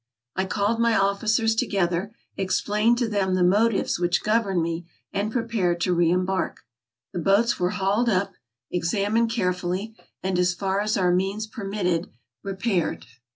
I called my officers together, explained to them the mo tives which governed me, and prepared to re embark. The boats were hauled up, examined carefully, and, as far as our means permitted, repaired.